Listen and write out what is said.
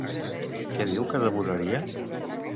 Què diu que devoraria?